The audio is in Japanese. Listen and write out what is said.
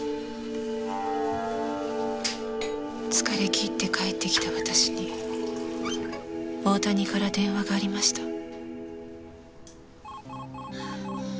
疲れ切って帰ってきた私に大谷から電話がありました。